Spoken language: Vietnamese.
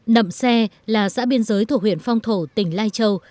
nậm xe là xã biên giới thuộc huyện phong thổ tỉnh lai châu